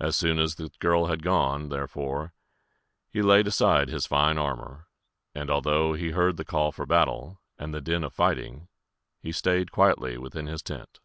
As soon as the girl had gone, therefore, he laid aside his fine armor; and although he heard the call for battle, and the din of fighting, he staid quietly within his tent.